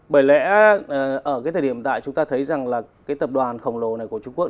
bởi lẽ ở cái thời điểm tại chúng ta thấy rằng là cái tập đoàn khổng lồ này của trung quốc